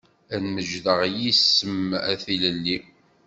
Ad mejdeɣ yis-m a tilelli.